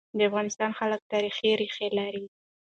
د افغانستان خلک تاریخي ريښه لري.